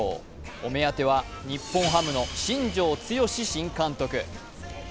お目当ては日本ハムの新庄剛志新監督。